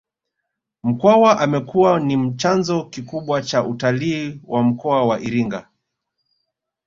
Mkwawa amekuwa ni chanzo kikubwa cha utalii wa mkoa wa Iringa